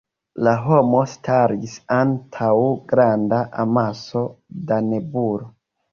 La homo staras antaŭ granda amaso da nebulo.